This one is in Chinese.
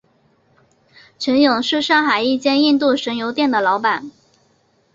程勇是上海一间印度神油店的老板。